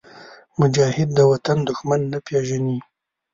مجاهد د وطن دښمن نه پېژني.